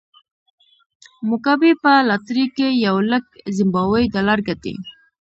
موګابي په لاټرۍ کې یو لک زیمبابويي ډالر ګټي.